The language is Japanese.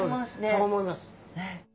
そう思います。